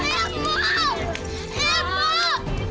jangan nangis jangan nangis ya